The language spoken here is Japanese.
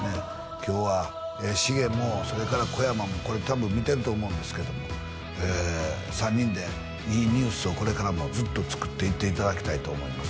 今日はシゲもそれから小山もこれ多分見てると思うんですけども３人でいいＮＥＷＳをこれからもずっとつくっていっていただきたいと思います